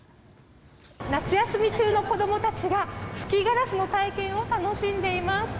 夏休み中の子どもたちが吹きガラスの体験を楽しんでいます。